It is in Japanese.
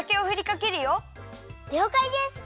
りょうかいです。